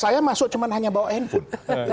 saya masuk cuma hanya bawa handphone